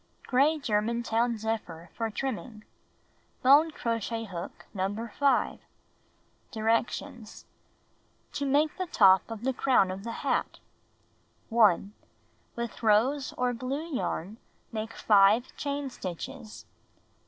Gray Germantown zephyr for trimming. Bone crochet hook No. 5. Directions : To Make the Top of the Crown of the Hat 1. With rose or blue yarn make 5 chain stitches.